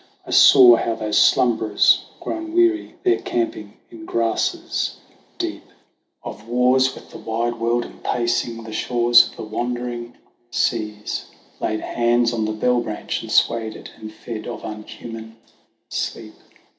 I saw how those slumberers, grown weary, there camping in grasses deep, Of wars with the wide world and pacing the shores of the wandering seas, 128 THE WANDERINGS OF OISIN Laid hands on the bell branch and swayed it, and fed of unhuman sleep.